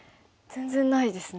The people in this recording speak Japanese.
全然ないですね。